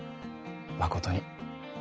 まことに。